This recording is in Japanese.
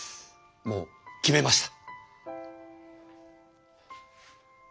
もう決めました。